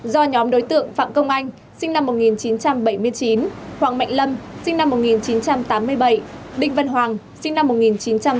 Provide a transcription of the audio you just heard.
do nhóm đối tượng phạm công anh sinh năm một nghìn chín trăm bảy mươi chín hoàng mạnh lâm sinh năm một nghìn chín trăm tám mươi bảy đinh văn hoàng sinh năm một nghìn chín trăm tám mươi